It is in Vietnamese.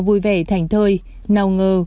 vui vẻ thành thơi nào ngờ